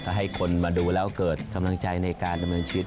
ถ้าให้คนมาดูแล้วเกิดกำลังใจในการดำเนินชีวิต